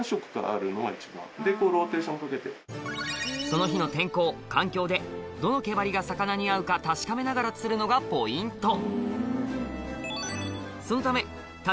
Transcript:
その日の天候環境でどの毛鉤が魚に合うか確かめながら釣るのがポイント